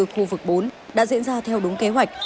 khu vực bốn đã diễn ra theo đúng kế hoạch